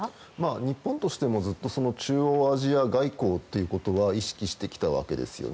日本としてもずっと中央アジア外交ということは意識してきたわけですよね。